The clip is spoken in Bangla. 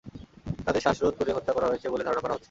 তাদের শ্বাস রোধ করে হত্যা করা হয়েছে বলে ধারণা করা হচ্ছে।